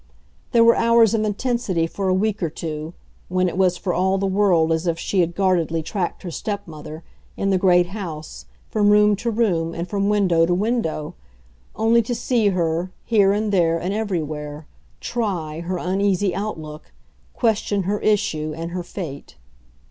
There were hours of intensity, for a week or two, when it was for all the world as if she had guardedly tracked her stepmother, in the great house, from room to room and from window to window, only to see her, here and there and everywhere, TRY her uneasy outlook, question her issue and her fate.